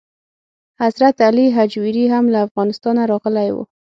حضرت علي هجویري هم له افغانستانه راغلی و.